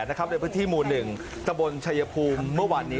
ในพื้นที่หมู่๑ตะบนชายภูมิเมื่อวานนี้